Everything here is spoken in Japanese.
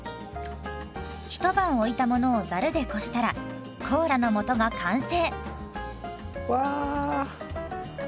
ひと晩置いたものをざるでこしたらコーラの素が完成。わ！